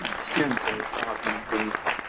宪宗发兵征讨。